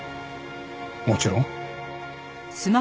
もちろん。